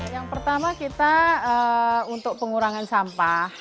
yang pertama kita untuk pengurangan sampah